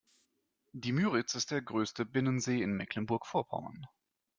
Die Müritz ist der größte Binnensee in Mecklenburg-Vorpommern.